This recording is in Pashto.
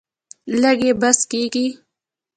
لږ یې بس کیږي.